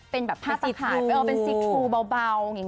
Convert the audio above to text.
เป็นผ้าสะขาดเป็นซีทรูเบา